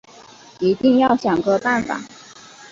一定要想个办法